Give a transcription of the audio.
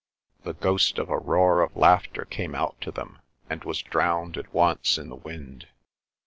The ghost of a roar of laughter came out to them, and was drowned at once in the wind.